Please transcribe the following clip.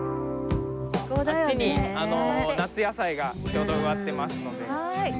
あっちに夏野菜がちょうど植わってますので。